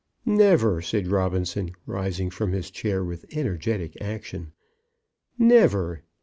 "Never," said Robinson, rising from his chair with energetic action. "Never.